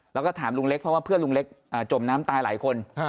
แล้วก็ถามลุงเล็กเพราะว่าเพื่อนลุงเล็กจมน้ำตายหลายคน